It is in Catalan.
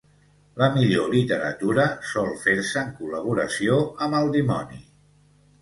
La millor literatura sol fer-se en col·laboració amb el dimoni.